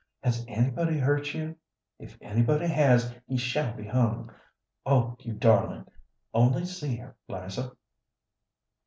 Has anybody hurt you? If anybody has, he shall be hung! Oh, you darling! Only see her, 'Liza."